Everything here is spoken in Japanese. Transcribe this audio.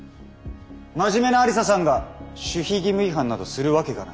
真面目な愛理沙さんが守秘義務違反などするわけがない。